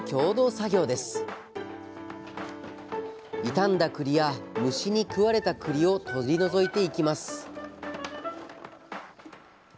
傷んだくりや虫に食われたくりを取り除いていきます